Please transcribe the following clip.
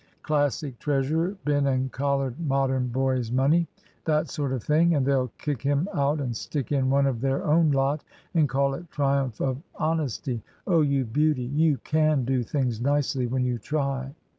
Classic treasurer been and collared Modern boys' money that sort of thing and they'll kick him out and stick in one of their own lot, and call it triumph of honesty. Oh, you beauty; you can do things nicely when you try?"